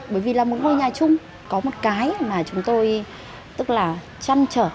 bởi vì là một ngôi nhà chung có một cái mà chúng tôi chăn chở